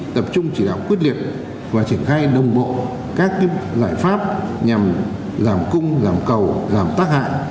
tập trung chỉ đạo quyết liệt và triển khai đồng bộ các giải pháp nhằm giảm cung giảm cầu giảm tác hại